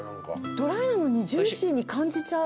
ドライなのにジューシーに感じちゃう。